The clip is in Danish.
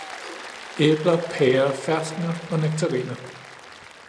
Æbler, pærer, ferskner og nektariner